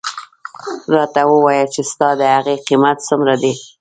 راته ووایه چې ستا د هغې قیمت څومره دی.